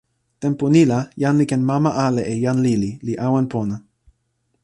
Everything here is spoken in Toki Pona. tenpo ni la, jan li ken mama ala e jan lili, li awen pona.